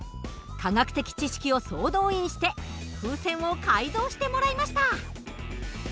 科学的知識を総動員して風船を改造してもらいました。